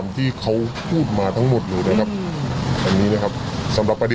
แล้วเรื่องการหย่าร้างที่บอกว่าเราเป็นมีคนอื่นอะไรยังไงนี่